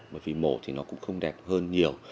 bởi vì mổ thì nó cũng không đẹp hơn nhiều